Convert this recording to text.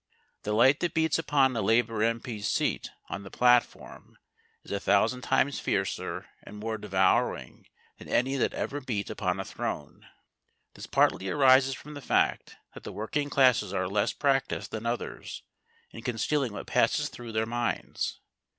The light that beats upon a Labour M.P.'s seat on the platform is a thousand times fiercer and more devouring than any that ever beat upon a throne. This partly arises from the fact that the working classes are less practised than others in concealing what passes through their minds.